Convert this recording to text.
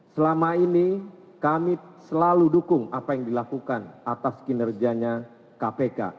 selama ini kami selalu dukung apa yang dilakukan atas kinerjanya kpk